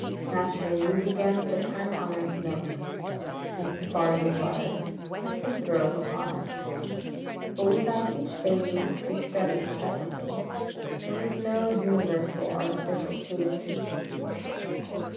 Naturally we began with the time honoured milk and barley water, and some throve upon it. But we found each baby had to be studied separately. There was no universal (artificial) food.